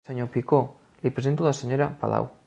Senyor Picó, li presento la senyora Palau.